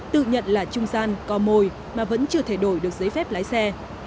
tự nhận là trung gian co mồi mà vẫn chưa thể đổi được giấy phép lái xe